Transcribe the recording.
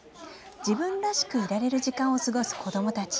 自分らしくいられる時間を過ごす子どもたち。